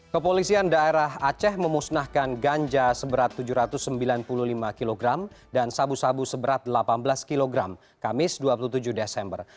kepolisian daerah aceh memusnahkan ganja seberat tujuh ratus sembilan puluh lima kg dan sabu sabu seberat delapan belas kg kamis dua puluh tujuh desember